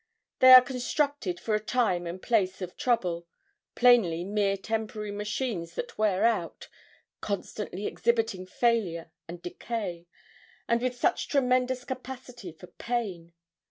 They are constructed for a time and place of trouble plainly mere temporary machines that wear out, constantly exhibiting failure and decay, and with such tremendous capacity for pain.